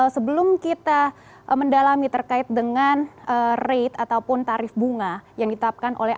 sebelum kita mendalami terkait dengan rate ataupun tarif bunga yang ditetapkan oleh